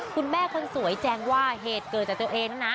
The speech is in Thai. คุณแม่คนสวยแจ้งว่าเหตุเกิดจากตัวเองนั้นนะ